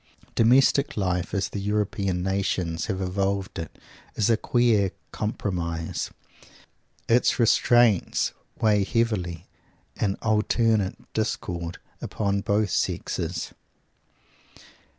Domestic life as the European nations have evolved it is a queer compromise. Its restraints weigh heavily, in alternate discord, upon both sexes.